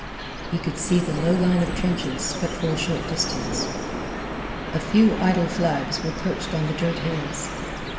He could see the low line of trenches but for a short distance. A few idle flags were perched on the dirt hills.